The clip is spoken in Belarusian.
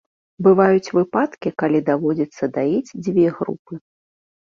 Бываюць выпадкі, калі даводзіцца даіць дзве групы.